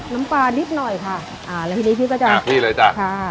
น้ำปลานิดหน่อยค่ะอ่าแล้วทีนี้พี่ก็จะพี่เลยจ้ะค่ะ